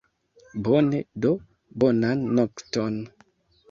Bone do, bonan nokton!